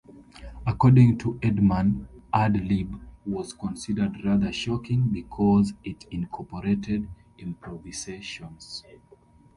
According to Erdman, "Ad Lib" "was considered rather shocking because it incorporated improvisations.